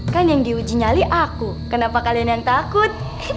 kan yang diuji nyali aku kenapa kalian yang takut